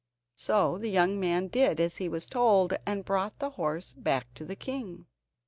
So the young man did as he was told, and brought the horse back to the king.